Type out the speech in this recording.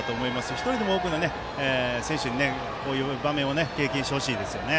１人でも多くの選手にこういう場面を経験してほしいです。